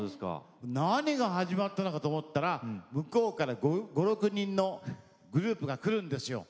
何が始まったのかと思ったら向こうから５、６人のグループが来るんですよ。